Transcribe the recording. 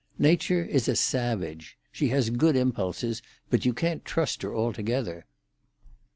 "Nature is a savage. She has good impulses, but you can't trust her altogether."